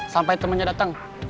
sampai temennya dateng